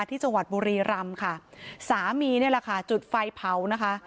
ที่จังหวัดบุรีรำค่ะสามีนี่แหละค่ะจุดไฟเผานะคะ